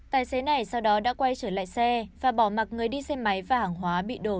tài xế này sau đó đã quay trở lại xe và bỏ mặt người đi xe máy và hàng hóa bị đổ